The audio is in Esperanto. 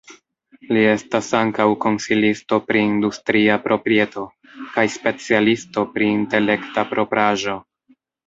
Li estas ankaŭ konsilisto pri industria proprieto, kaj specialisto pri Intelekta propraĵo.